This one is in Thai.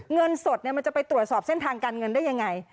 เงินสดมันจะไปตรวจสอบเส้นทางการเงินได้ยังไง